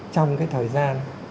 trong cái thời gian